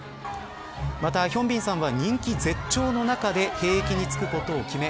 また、ヒョンビンさんは人気絶頂の中で兵役に就くことを決め